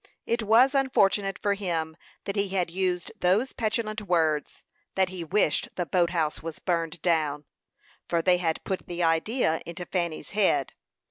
It was unfortunate for him that he had used those petulant words, that he wished the boat house was burned down, for they had put the idea into Fanny's head.